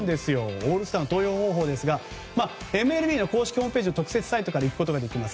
オールスターの投票方法ですがＭＬＢの公式ホームページの特設サイトからいくことができます。